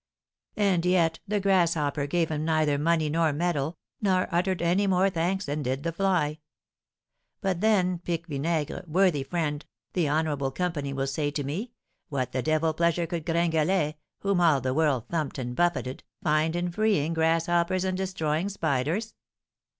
And yet the grasshopper gave him neither money nor medal, nor uttered any more thanks than did the fly. But then, Pique Vinaigre, worthy friend, the honourable company will say to me, what the devil pleasure could Gringalet, whom all the world thumped and buffeted, find in freeing grasshoppers and destroying spiders?